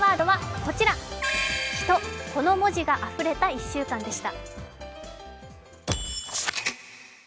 この文字があふれた１週間でした。